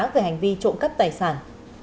về hành vi trộm cắp tài sản